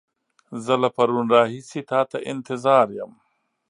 زه له پرون راهيسې تا ته انتظار يم.